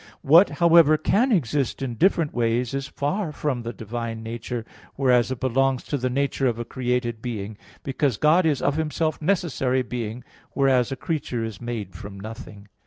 What, however, can exist in different ways is far from the divine nature, whereas it belongs to the nature of a created being; because God is of Himself necessary being, whereas a creature is made from nothing.